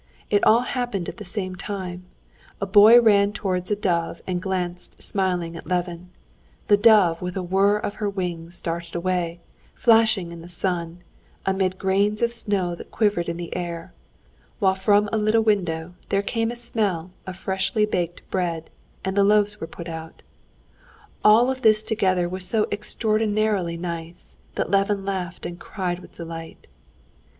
It all happened at the same time: a boy ran towards a dove and glanced smiling at Levin; the dove, with a whir of her wings, darted away, flashing in the sun, amid grains of snow that quivered in the air, while from a little window there came a smell of fresh baked bread, and the loaves were put out. All of this together was so extraordinarily nice that Levin laughed and cried with delight.